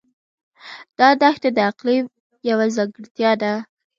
دا دښتې د اقلیم یوه ځانګړتیا ده.